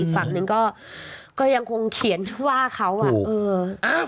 ฝั่งหนึ่งก็ยังคงเขียนว่าเขาอ่ะเออ